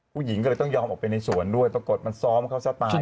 ผู้หญิงก็เลยต้องยอมออกไปในสวนด้วยปรากฏมันซ้อมเขาซะตาย